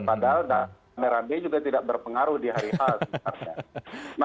padahal rame rame juga tidak berpengaruh di hari hal sebenarnya